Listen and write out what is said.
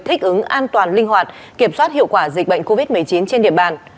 thích ứng an toàn linh hoạt kiểm soát hiệu quả dịch bệnh covid một mươi chín trên địa bàn